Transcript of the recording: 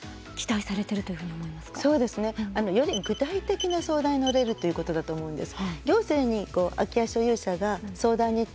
より具体的な相談に乗れるということだと思うんです。